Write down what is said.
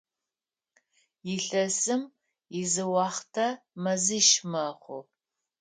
Илъэсым изыуахътэ мэзищ мэхъу.